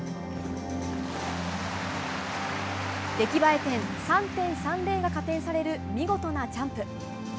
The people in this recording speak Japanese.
出来栄え点３．３０が加点される見事なジャンプ。